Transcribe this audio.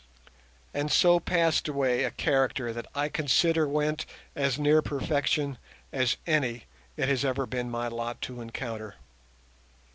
And so passed away a character that I consider went as near perfection as any it has ever been my lot to encounter.